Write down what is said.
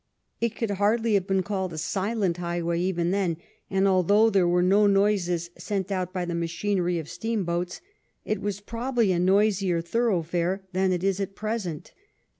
It could hardly have been called a silent highway even then, and al though there were no noises sent out by the machinery of steam boats, it was probably a noisier thoroughfare than it is at present.